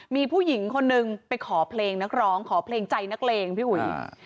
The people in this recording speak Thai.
มีผู้หญิงคนนึงไปขอเพลงนักร้องขอเพลงใจนักเลงพี่อุ๋ย